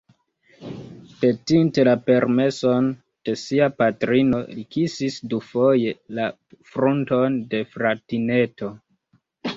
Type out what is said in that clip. Petinte la permeson de sia patrino, li kisis dufoje la frunton de fratineto.